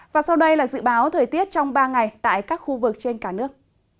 và sau đây là dự báo thời tiết trong ba ngày tại các khu vực trên cả nước